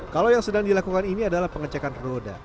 kalau yang sedang dilakukan ini adalah pengecekan roda